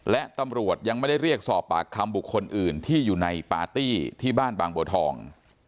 และตำรวจยังไม่ได้เรียกสอบปากคำบุคคลอื่นที่อยู่ในปาร์ตี้ที่บ้านบางบัวทอง